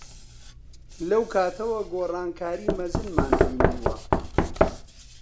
لەو کاتەوە گۆڕانکاریی مەزنمان بینیوە.